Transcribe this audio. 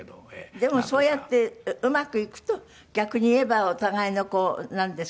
でもそうやってうまくいくと逆に言えばお互いのこうなんですかね。